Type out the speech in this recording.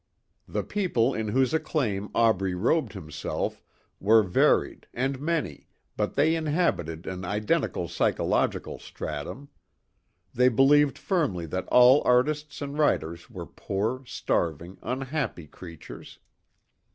The people in whose acclaim Aubrey robed himself were varied and many but they inhabited an identical psychological stratum. They believed firmly that all artists and writers were poor, starving, unhappy creatures.